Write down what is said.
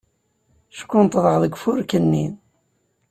Ckunṭḍeɣ deg ufurk-nni.